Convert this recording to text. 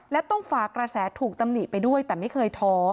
และต้องฝากกระแสถูกตำหนิไปด้วยแต่ไม่เคยท้อ